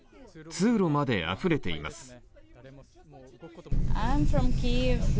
通路まであふれています。